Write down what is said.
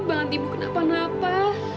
banget ibu kenapa napa